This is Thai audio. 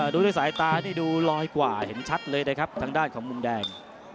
ดูด้วยสายตานี่ดูลอยกว่าเห็นชัดเลยนะครับทางด้านของมุมแดง